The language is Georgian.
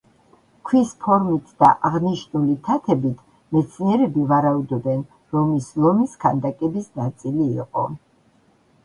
ქვის ფორმით და აღნიშნული თათებით მეცნიერები ვარაუდობენ რომ ის ლომის ქანდაკების ნაწილი იყო.